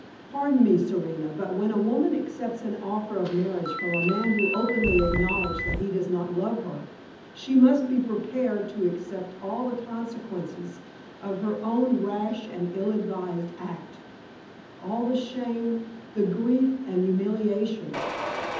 Pardon me, Serena, but when a woman accepts an offer of marriage from a man who openly acknowledges that he does not love her, she must be prepared to accept all the consequences of her own rash and ill advised act all the shame, the grief, and humiliation.